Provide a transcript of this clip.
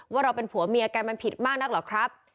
ว่าเราเป็นผัวเมียกันมันผิดมากนักเหรอครับ